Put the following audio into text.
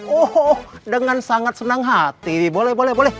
oh dengan sangat senang hati boleh boleh